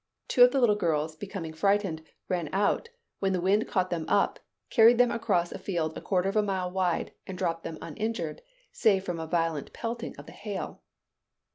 Two of the little girls becoming frightened, ran out, when the wind caught them up, carried them across a field a quarter of a mile wide, and dropped them uninjured, save from violent pelting of the hail.